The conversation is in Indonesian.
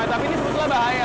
tapi ini sebetulnya bahaya